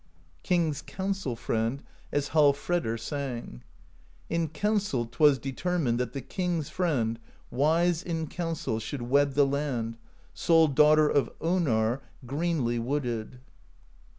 King's Counsel Friend, as Hallfredr sang: In council 't was determined That the King's Friend, wise in counsel, Should wed the Land, sole Daughter Of Onarr, greenly wooded.'